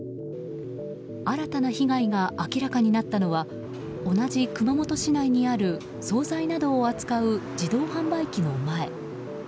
新たな被害が明らかになったのは同じ熊本市内にある総菜などを扱う自動販売機の前。